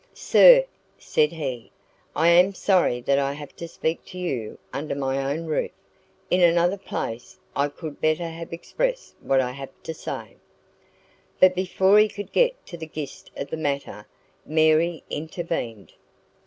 "Sir," said he, "I am sorry that I have to speak to you under my own roof; in another place I could better have expressed what I have to say " But before he could get to the gist of the matter, Mary intervened.